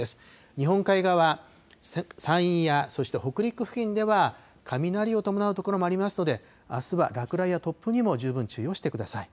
日本海側、山陰やそして北陸付近では、雷を伴う所もありますので、あすは落雷や突風にも十分注意をしてください。